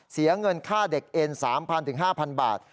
เสียเงินค่าเด็กเอ็น๓๐๐๕๐๐บาท